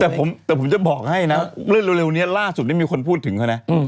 เช้าจะบอกให้นะเลื่อนเลวเนี้ยล่าสุดมันมีคนพูดถึงก่อนเนี้ย